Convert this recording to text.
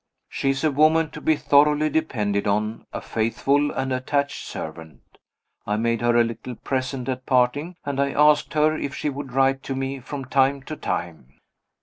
She is a woman to be thoroughly depended on, a faithful and attached servant. I made her a little present at parting, and I asked her if she would write to me from time to time.